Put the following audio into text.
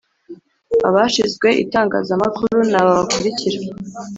Abashizwe Itangazamakuru ni aba bakurikira